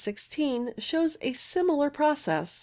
i6, shows a similar pro cess.